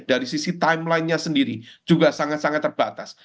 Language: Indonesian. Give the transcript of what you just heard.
dari sisi timeline nya sendiri juga sangat sangat terbatas